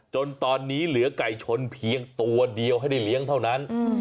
จนตอนนี้เหลือไก่ชนเพียงตัวเดียวให้ได้เลี้ยงเท่านั้น